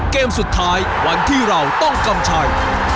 เกมสุดท้ายวันที่เราต้องกำชัย